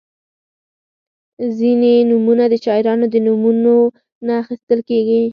• ځینې نومونه د شاعرانو د نومونو نه اخیستل کیږي.